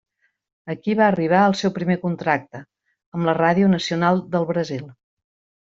Aquí va arribar el seu primer contracte, amb la Ràdio Nacional del Brasil.